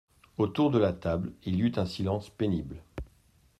Autour de la table, il y eut un silence pénible.